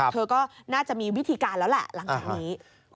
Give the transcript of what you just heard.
เธอก็น่าจะมีวิธีการแล้วแหละหลังจากนี้